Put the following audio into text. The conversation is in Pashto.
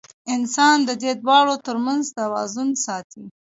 انسان د دې دواړو تر منځ توازن ساتي.